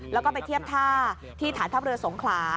แล้วก็ไปเทียบท่าที่ฐานทัพเรือสงขลา